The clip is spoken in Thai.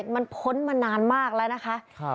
มันพ้นมานานมากแล้วนะคะ